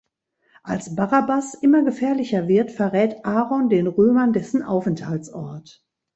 Als Barabbas immer gefährlicher wird, verrät Aaron den Römern dessen Aufenthaltsort.